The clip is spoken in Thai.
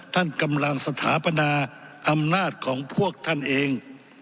ท่านกำลังสถาปนาอำนาจของพวกท่านเอง